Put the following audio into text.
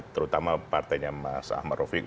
terutama partainya mas ahmad rofiq